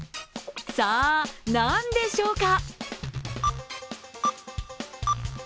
さあ、何でしょうか？